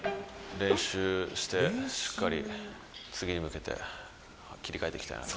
練習して、しっかり次に向けて、切り替えていきたいなと。